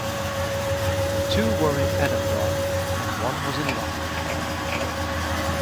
Two were in Edinburgh and one was in London.